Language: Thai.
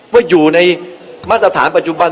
ว่าอยู่ในมาตรฐานปัจจุบัน